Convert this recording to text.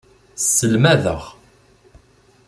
Sselmadeɣ.